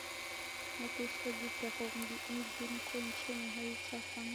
ni tisho jipwa kwa mji mkuu nchini haiti kwani tayari